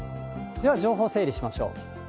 では、情報を整理しましょう。